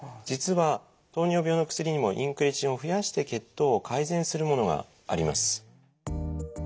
実は糖尿病の薬にもインクレチンを増やして血糖を改善するものがあります。